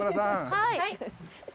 はい。